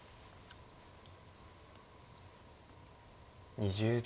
２０秒。